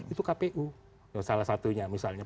itu kpu salah satunya misalnya